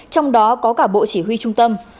trong đó có cả bộ chỉ huy trung tâm